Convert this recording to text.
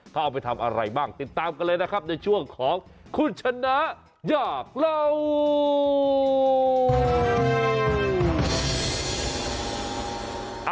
เขาเอาไปทำอะไรบ้างติดตามกันเลยนะครับในช่วงของคุณชนะอยากเล่า